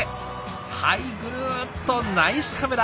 はいぐるーっとナイスカメラ！